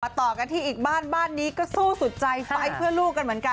ต่อกันที่อีกบ้านบ้านนี้ก็สู้สุดใจไปเพื่อลูกกันเหมือนกัน